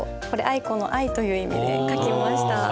これ愛子の「愛」という意味で書きました。